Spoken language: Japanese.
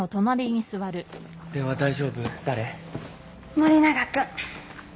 森永君。